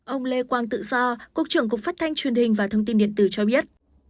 ông lê quang tự do cục trưởng cục phát thanh truyền hình và thông tin điện tử cho biết